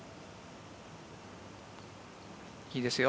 いいですよ。